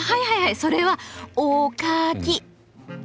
それはお・か・き。